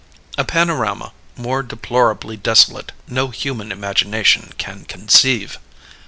A panorama more deplorably desolate no human imagination can conceive.